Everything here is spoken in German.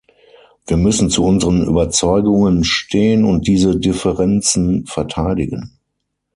Wir müssen zu unseren Überzeugungen stehen und diese Differenzen verteidigen.